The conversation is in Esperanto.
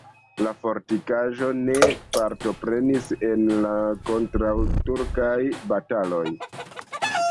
La fortikaĵo ne partoprenis en la kontraŭturkaj bataloj.